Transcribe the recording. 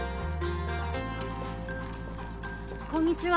こんにちは。